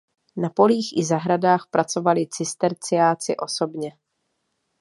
Na polích i zahradách pracovali cisterciáci osobně.